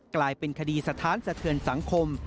กลายเป็นคดีสะท้านสะเทือนสังคม